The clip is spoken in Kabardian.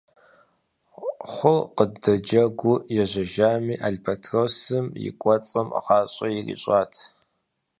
Хъур къыдэджэгуу ежьэжами, албатросым и кӀуэцӀым гъащӀэ ирищӀат.